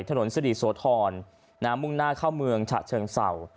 ถนนสดีสวทรน้ำมุ่งหน้าเข้าเมืองฉะเชิงเสา